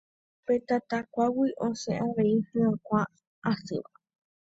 Upe tatakuágui osẽ avei hyakuã asýva